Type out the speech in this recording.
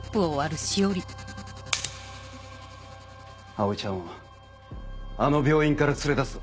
葵ちゃんをあの病院から連れ出すぞ。